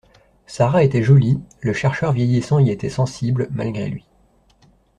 Sara était jolie, le chercheur vieillissant y était sensible, malgré lui